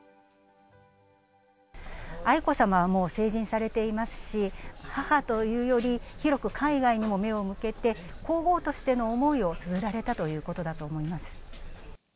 愛子さまはもう成人されていますし、母というより、広く海外にも目を向けて、皇后としての思いをつづられたということだと思います。